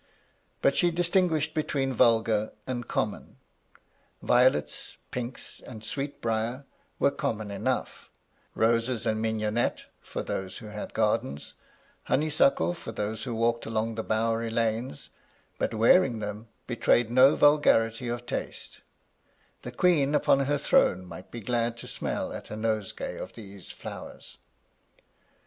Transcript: But she distinguished between vulgar and common. Violets, pinks, and sweetbriar were common enough ; roses and mignonette, for those who had gardens, honeysuckle for those who walked along the bowery lanes ; but wearing them betrayed no vulgarity of taste : the queen upon her throne might be glad to smell at a nosegay of these flowers.